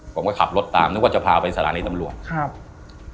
ผมก็ขับรถตามนึกว่าจะพาไปศาลาในนี้ตำรวจ